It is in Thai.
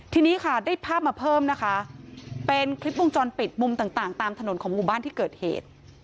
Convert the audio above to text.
ทีนี้ค่ะได้ภาพมาเพิ่มนะคะเป็นคลิปวงจรปิดมุมต่างตามถนนของหมู่บ้านที่เกิดเหตุ